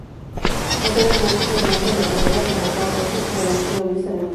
Posteriormente, el presidente Mattarella convocó a Conte, quien anunció la lista de ministros.